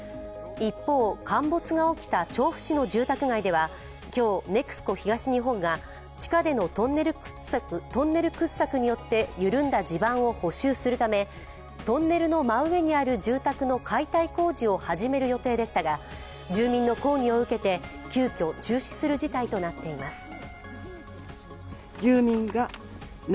一方、陥没が起きた調布市の住宅街では今日、ＮＥＸＣＯ東日本が地下でのトンネル掘削によって緩んだ地盤を補修するため、トンネルの真上にある住宅の解体工事を始める予定でしたが、住民の抗議を受けて、急きょ中止する事態となっています。